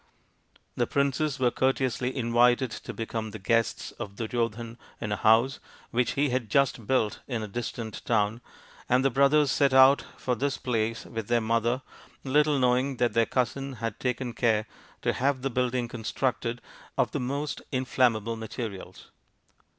The princes were courteously invited to become the guests of Duryodhan in a house which he had just built in a distant town, and the brothers set out for this place with their mother, little knowing that their cousin had taken care to have the building constructed of the most inflam 78 THE INDIAN STORY BOOK mable materials.